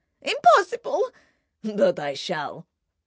"Impossible—!" "But I shall."